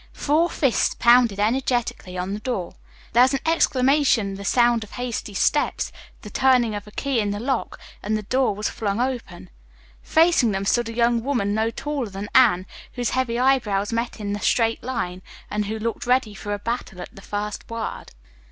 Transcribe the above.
Four fists pounded energetically on the door. There was an exclamation, the sound of hasty steps, the turning of a key in the lock, and the door was flung open. Facing them stood a young woman no taller than Anne, whose heavy eyebrows met in a straight line, and who looked ready for battle at the first word.